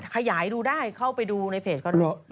ขยายดูได้เข้าไปดูในเพจเขาดู